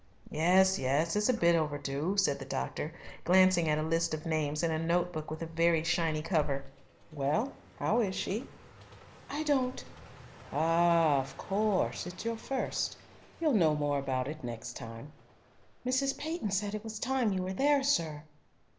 "Yes, yes. It's a bit overdue," said the doctor, glancing at a list of names in a note book with a very shiny cover. "Well, how is she?" "I don't " "Ah, of course, it's your first. You'll know more about it next time." "Mrs. Peyton said it was time you were there, sir."